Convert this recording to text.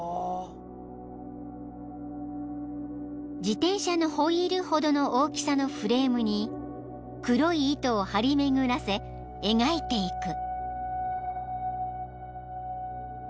［自転車のホイールほどの大きさのフレームに黒い糸を張り巡らせ描いていく］